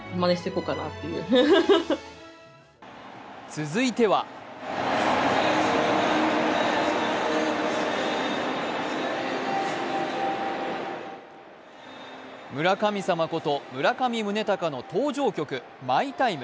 続いては村神様こと村上宗隆の登場曲「マイ・タイム」